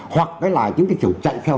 hoặc cái là những cái chiều chạy theo